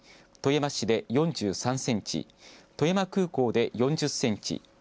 富山市で４３センチ富山空港で４０センチ